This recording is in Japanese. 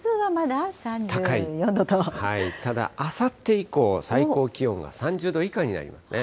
ただ、あさって以降、最高気温が３０度以下になりますね。